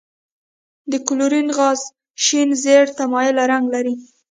د کلورین غاز شین زیړ ته مایل رنګ لري.